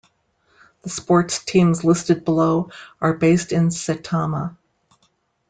The sports teams listed below are based in Saitama.